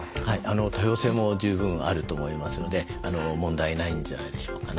多様性も十分あると思いますので問題ないんじゃないでしょうかね。